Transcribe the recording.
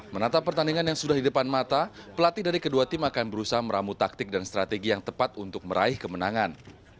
menata pertandingan yang sudah di depan mata pelatih dari kedua tim akan berusaha meramu taktik dan strategi yang tepat untuk meraih kemenangan